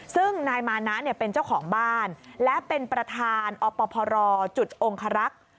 ซึ่งนายมานะเป็นเจ้าของบ้านและเป็นประธานอพรจุดองคารักษ์